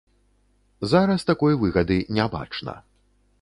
Зараз такой выгады не бачна.